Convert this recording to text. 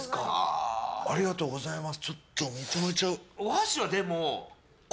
ありがとうございます。